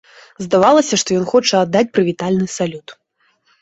Здавалася, што ён хоча аддаць прывітальны салют.